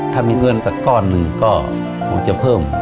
ถ้ามีเงินสักก้อนหนึ่งก็คงจะเพิ่ม